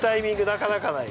なかなかない。